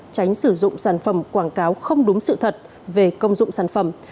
tránh sử dụng sản phẩm quảng cáo không đúng sự thật về công dụng sản phẩm